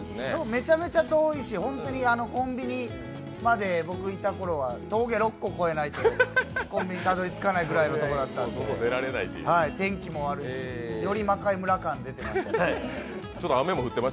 めちゃめちゃ遠いしコンビニまで、僕がいたころは峠６個越えないとコンビニたどり着かないぐらいのところだったんで、天気も悪いし、より魔界村感が出てました。